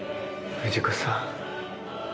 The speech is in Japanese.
藤子さん。